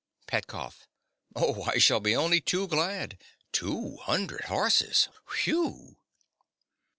PETKOFF. Oh, I shall be only too glad. Two hundred horses! Whew!